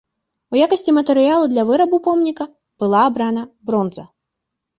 У якасці матэрыялу для вырабу помніка была абрана бронза.